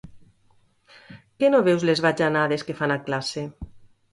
Que no veus les bajanades que fan a classe!